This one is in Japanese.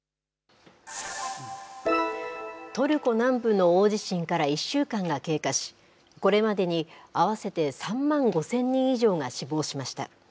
トルコ南部の大地震から１週間が経過し、これまでに合わせて３万５０００人以上が死亡しました。